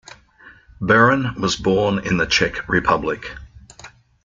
Beran was born in the Czech Republic.